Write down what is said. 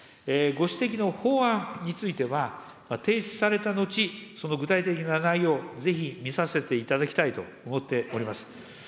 ご指摘の法案については、提出されたのち、その具体的な内容をぜひ見させていただきたいと思っております。